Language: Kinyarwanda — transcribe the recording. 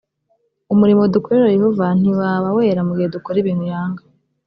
umurimo dukorera yehova ntiwaba wera mu gihe dukora ibintu yanga